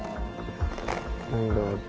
どうぞ。